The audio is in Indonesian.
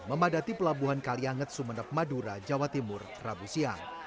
memadati pelabuhan kalianget sumeneb madura jawa timur rabu siang